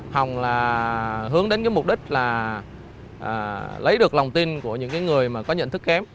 hồng hướng đến mục đích lấy được lòng tin của những người có nhận thức kém